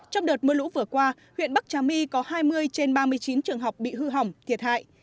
trong đợt mưa lũ vừa qua huyện bắc trà my có hai mươi trên ba mươi chín trường học bị hư hỏng thiệt hại